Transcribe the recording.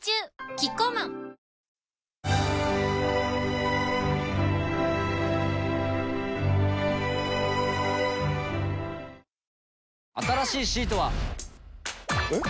キッコーマン新しいシートは。えっ？